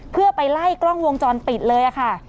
เพื่อไปไล่กล้องวงจรปิดเลยค่ะ